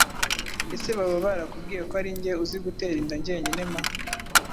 Ese baba barakubwiye ko ari nge uzi gutera inda ngenyine ma!